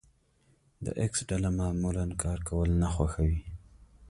د ايکس ډله معمولا کار کول نه خوښوي.